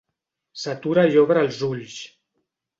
S'atura i obre els ulls.